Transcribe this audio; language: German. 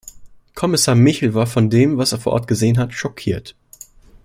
Kommissar Michel war von dem, was er vor Ort gesehen hat, schockiert.